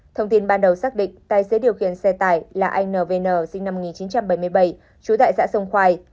thông tin ban đầu xác định tài xế điều khiển xe tải là anh n v n sinh năm một nghìn chín trăm bảy mươi bảy chú tại xã sông khoai